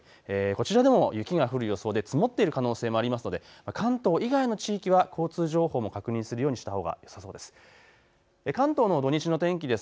こちらでも雪が降る予想で積もっている可能性もありますので関東以外の地域は交通情報も確認するようにしたほうがよさそうです。